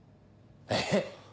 えっ？